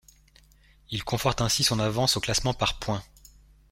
Il conforte ainsi son avance au classement par points.